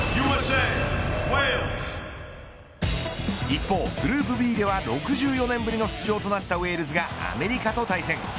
一方グルーブＢでは６４年ぶりの出場となったウェールズがアメリカと対戦。